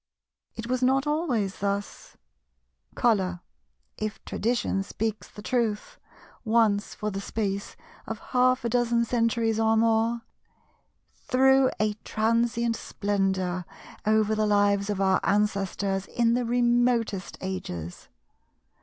It was not always thus. Colour, if Tradition speaks the truth, once for the space of half a dozen centuries or more, threw a transient splendour over the lives of our ancestors in the remotest ages.